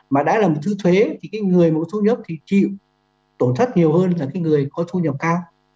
mà đã là một thứ thuế thì cái người mà có thu nhập thì chịu tổn thất nhiều hơn là cái người có thu nhập cao